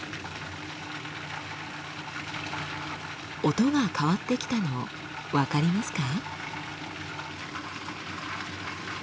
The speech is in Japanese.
音が変わってきたの分かりますか？